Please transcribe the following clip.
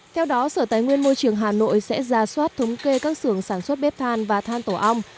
theo đó sở tài nguyên môi trường hà nội sẽ ra soát thống kê các xưởng sản xuất bếp than và than tổ ong